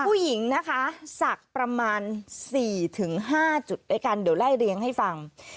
ผู้หญิงนะคะศักดิ์ประมาณ๔๕จุดด้วยกันเดี๋ยวไล่เลี้ยงให้ฟัง